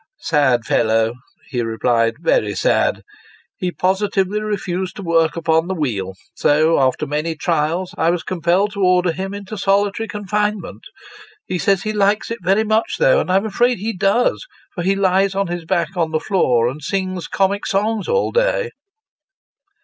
" Sad fellow," he replied, " very sad. He positively refused to work on the wheel ; so, after many trials, I was compelled to order him into solitary confinement. He says he likes it very much though, and I am afraid he does, for he lies on his back on the floor, and sings comic songs all day